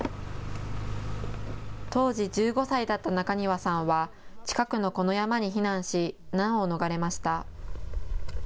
当時１５歳だった中庭さんは近くのこの山に避難し難を逃れました。